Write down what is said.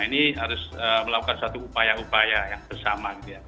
ini harus melakukan suatu upaya upaya yang bersama